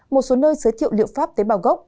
một số nơi giới thiệu liệu pháp tế bào gốc